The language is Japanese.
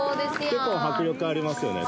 ◆結構、迫力ありますよね。